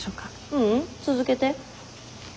ううん続けて。